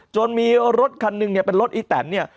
จนมีรถคันหนึ่งเนี่ยเป็นรถอีแตนเนี่ย